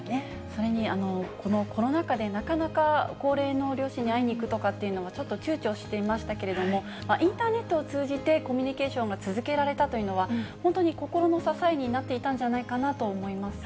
それに、コロナ禍でなかなか高齢の両親に会いに行くとかっていうのがちょっとちゅうちょしていましたけれども、インターネットを通じてコミュニケーションが続けられたというのは、本当に心の支えになっていたんじゃないかなと思います。